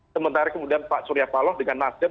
sementara kemudian pak surya paloh dengan nasdem